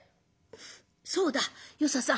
そうだ与三さん